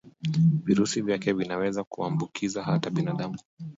virusi vyake vinaweza kuambukiza hata binadamu